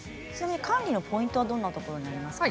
管理のポイントはどんなところになりますか？